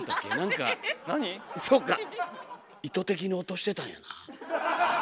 意図的に落としてたんやなあ。